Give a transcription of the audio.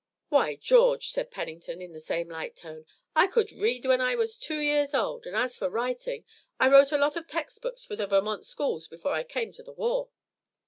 "Why, George," said Pennington in the same light tone, "I could read when I was two years old, and, as for writing, I wrote a lot of text books for the Vermont schools before I came to the war."